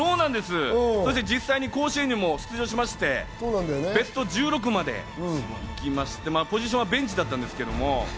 そして実際に甲子園にも出場してベスト１６まで行きまして、ポジションはベンチだったんですけど。